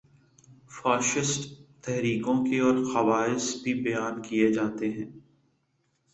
Fascist تحریکوں کے اور خواص بھی بیان کیے جاتے ہیں۔